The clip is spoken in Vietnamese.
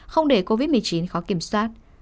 không để covid một mươi chín khó kiểm soát